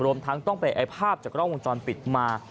รวมทั้งต้องไปไอ้ภาพจากกล้องวงจรปิดมา